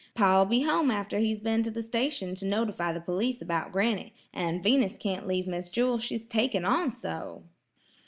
Pa'll be home after he's been to the station to notify the police about granny, an' Venus can't leave Miss Jewel; she's taking on so."